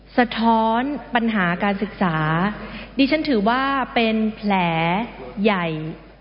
สะท้อนปัญหาการศึกษาดิฉันถือว่าเป็นแผลใหญ่